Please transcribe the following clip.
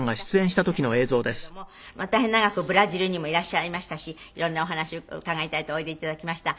大変長くブラジルにもいらっしゃいましたし色んなお話伺いたいとおいで頂きました。